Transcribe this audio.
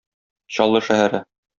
Чаллы шәһәре.